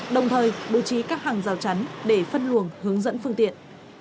đồng thời bố trí các hàng rào chắn để phân luồng hướng dẫn phương tiện